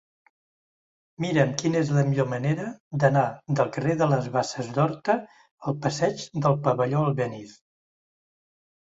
Mira'm quina és la millor manera d'anar del carrer de les Basses d'Horta al passeig del Pavelló Albéniz.